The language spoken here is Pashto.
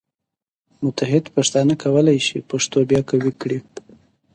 متحد پښتانه کولی شي پښتو بیا قوي کړي.